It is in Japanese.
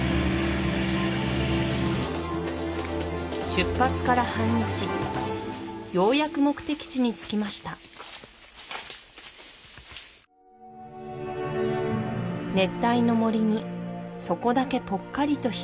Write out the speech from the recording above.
出発から半日ようやく目的地に着きました熱帯の森にそこだけぽっかりと開けた空間です